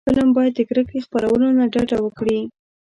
فلم باید د کرکې خپرولو نه ډډه وکړي